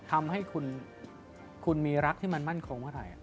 ทำให้คุณมีรักที่มันมั่นคงเมื่อไหร่